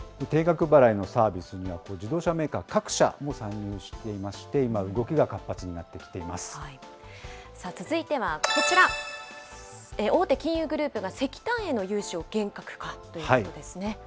定額払いのサービスには、自動車メーカー各社も参入していまして、今、動きが活発になって続いてはこちら、大手金融グループが石炭への融資を厳格化ということですね。